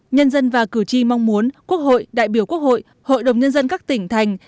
nhân dân và cử tri mong muốn quốc hội đại biểu quốc hội hội đồng nhân dân các tỉnh thành